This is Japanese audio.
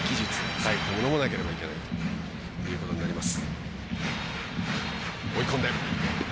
そういったものもなければいけないということになります。